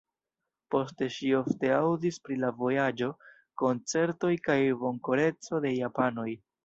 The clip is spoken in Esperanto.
Poste ŝi ofte aŭdis pri la vojaĝo, koncertoj kaj bonkoreco de japanoj.